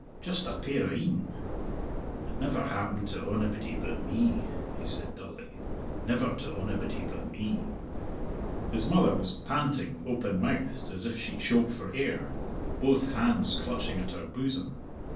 Just a pair of een! It never happened to onybody but me," he said dully "never to onybody but me." His mother was panting open mouthed, as if she choked for air, both hands clutching at her bosom.